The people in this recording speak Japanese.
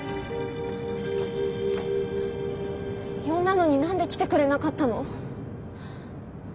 呼んだのに何で来てくれなかったの？